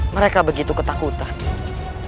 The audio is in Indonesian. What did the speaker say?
mereka begitu ketakutan